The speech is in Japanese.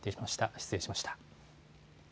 失礼しました。